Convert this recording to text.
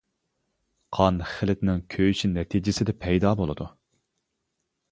قان خىلىتىنىڭ كۆيۈشى نەتىجىسىدە پەيدا بولىدۇ.